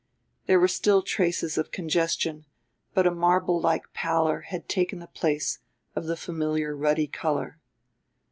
There were still traces of congestion, but a marblelike pallor had taken the place of the familiar ruddy color.